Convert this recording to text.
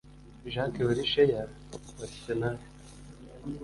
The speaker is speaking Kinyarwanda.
Jack Wilshere wa Arsenal